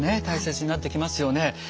大切になってきますよね。